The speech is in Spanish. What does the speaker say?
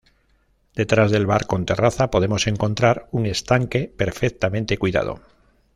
Detrás del bar con terraza podemos encontrar un estanque perfectamente cuidado.